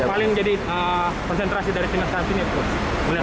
yang paling jadi presentrasi dari timnas timnas ini itu